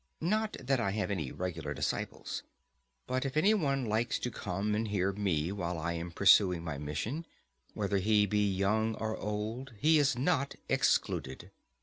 Not that I have any regular disciples. But if any one likes to come and hear me while I am pursuing my mission, whether he be young or old, he is not excluded.